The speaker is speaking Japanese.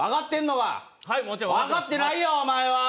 分かってないよ、お前は！